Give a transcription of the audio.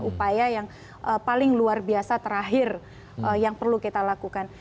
upaya yang paling luar biasa terakhir yang perlu kita lakukan